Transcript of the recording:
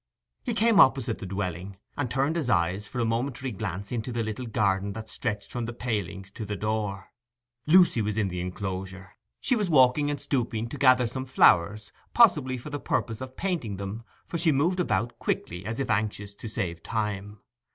He came opposite the dwelling, and turned his eyes for a momentary glance into the little garden that stretched from the palings to the door. Lucy was in the enclosure; she was walking and stooping to gather some flowers, possibly for the purpose of painting them, for she moved about quickly, as if anxious to save time.